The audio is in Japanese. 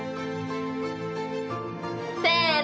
せの。